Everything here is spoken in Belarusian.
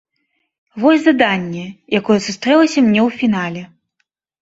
Вось заданне, якое сустрэлася мне ў фінале.